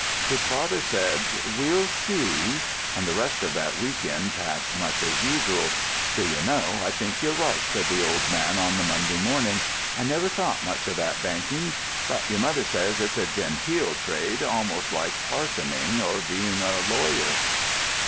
His father said: "We'll see," and the rest of that week end passed much as usual.... "D'you know, I think you're right?" said the old man on the Monday morning; "I never thought much of that banking, but your mother says it's a genteel trade, almost like parsoning or being a lawyer."